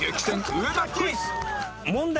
上田クイズ問題